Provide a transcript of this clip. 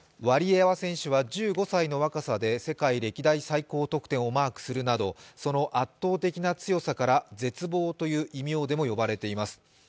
ワリエワ選手は１５歳の若さで世界歴代最高得点をマークするなど、その圧倒的な強さから絶望という異名で呼ばれています。